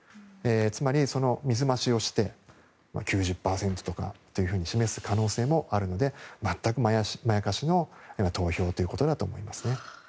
つまり、水増しをして９０％とか示す可能性もあるので全くまやかしの投票だと思いますね。